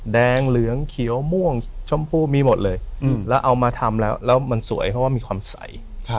แดงเหลืองเขียวม่วงชมพูมีหมดเลยแล้วเอามาทำแล้วแล้วมันสวยเพราะว่ามีความใส